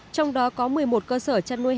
trong đó có một mươi một cơ sở chăn nuôi heo